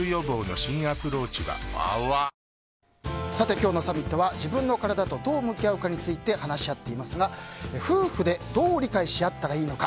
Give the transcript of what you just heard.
今日のサミットは自分のカラダとどう向き合うかについて話し合っていますが、夫婦でどう理解し合ったらいいのか